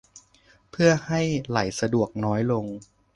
เพื่อให้ไหลสะดวกน้อยลง